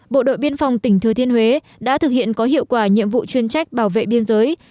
bộ đội biên phòng tỉnh thừa thiên huế đã thực hiện có hiệu quả nhiệm vụ chuyên trách bảo vệ biên giới